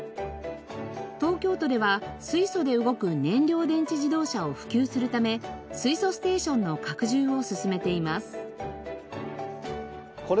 東京都では水素で動く燃料電池自動車を普及するため水素ステーションの拡充を進めています。